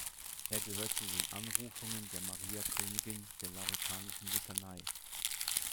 Er gehört zu den Anrufungen der "Maria Königin" der Lauretanischen Litanei.